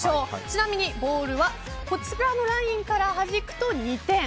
ちなみにボールはこちらのラインからはじくと２点。